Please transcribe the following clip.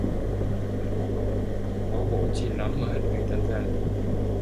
Báu bổ chi lắm mà hất người ta ra